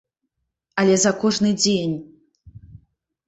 Але за кожны дзень!